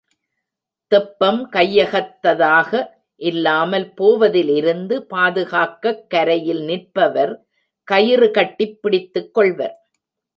தெப்பம் கையகத்ததாக இல்லாமல் போவதிலிருந்து பாதுகாக்கக் கரையில் நிற்பவர் கயிறு கட்டிப் பிடித்துக் கொள்வர்.